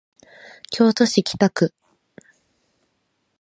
京都市北区